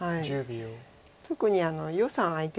特に余さん相手なので。